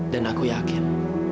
dan aku yakin